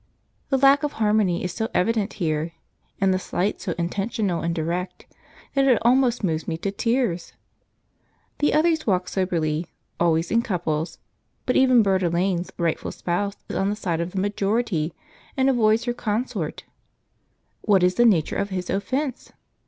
The lack of harmony is so evident here, and the slight so intentional and direct, that it almost moves me to tears. The others walk soberly, always in couples, but even Burd Alane's rightful spouse is on the side of the majority, and avoids her consort. {Out of favour with the entire family: p61.jpg} What is the nature of his offence?